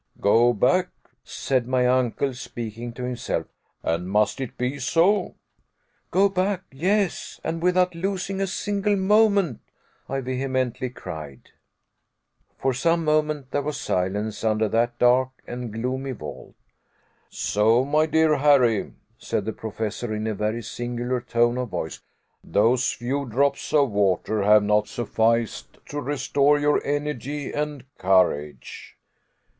"Go back," said my uncle, speaking to himself, "and must it be so?" "Go back yes, and without losing a single moment," I vehemently cried. For some moments there was silence under that dark and gloomy vault. "So, my dear Harry," said the Professor in a very singular tone of voice, "those few drops of water have not sufficed to restore your energy and courage."